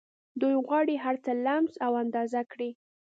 دوی غواړي هرڅه لمس او اندازه کړي